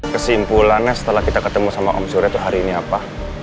kesimpulannya setelah kita ketemu sama om surya itu hari ini apa